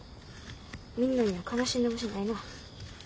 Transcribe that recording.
みんなには悲しんでほしないな。